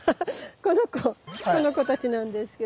この子この子たちなんですけど。